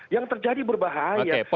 yang terjadi berbahaya